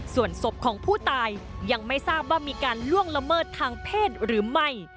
ส่วนศพของผู้ตายยังไม่ทราบว่ามีการล่วงละเมิดทางเพศหรือไม่